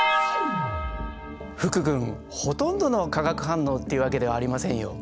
福君ほとんどの化学反応っていうわけではありませんよ。